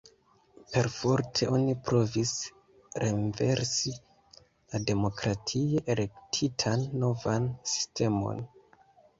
Perforte oni provis renversi la demokratie elektitan novan sistemon.